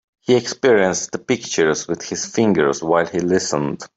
He experienced the pictures with his fingers while he listened.